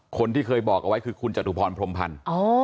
คนที่เคยบอกเอาไว้คือคุณจตุพรพรมพันธ์